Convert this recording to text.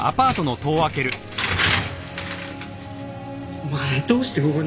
お前どうしてここに。